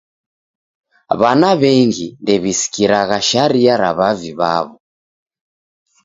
W'ana w'engi ndew'isikiragha sharia ra w'avi w'aw'o.